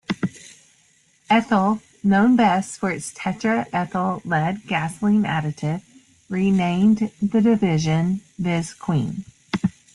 Ethyl, known best for its tetra ethyl lead gasoline additive, renamed the division VisQueen.